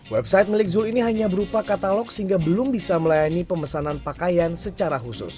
website milik zule ini hanya berupa katalog sehingga belum bisa melayani pemesanan tanda